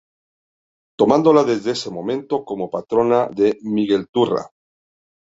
Tomándola desde ese momento como patrona de Miguelturra.